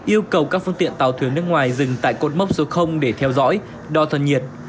yêu cầu các phương tiện tàu thuyền nước ngoài dừng tại cột mốc số để theo dõi đo thân nhiệt